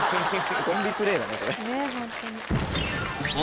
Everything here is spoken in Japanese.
コンビプレーだね。